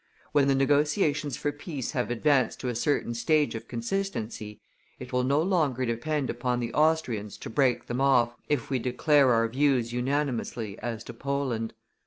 When the negotiations for peace have advanced to a certain stage of consistency, it will no longer depend upon the Austrians to break them off if we declare our views unanimously as to Poland.